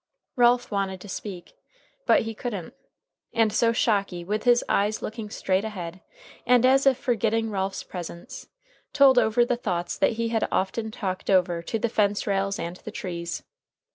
Ralph wanted to speak, but he couldn't. And so Shocky, with his eyes looking straight ahead, and as if forgetting Ralph's presence, told over the thoughts that he had often talked over to the fence rails and the trees.